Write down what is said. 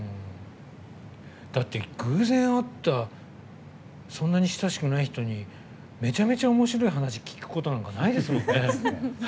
だって、偶然会ったそんなに親しくない人にめちゃめちゃおもしろい話聞くことなんかないですもんね。